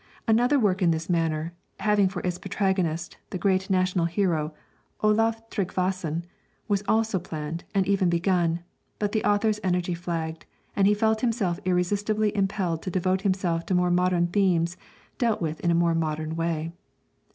Another work in this manner, having for its protagonist the great national hero, Olaf Trygvason, was also planned and even begun; but the author's energy flagged, and he felt himself irresistibly impelled to devote himself to more modern themes dealt with in a more modern way.